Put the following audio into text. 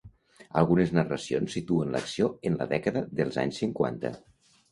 Algunes narracions situen l'acció en la dècada dels anys cinquanta.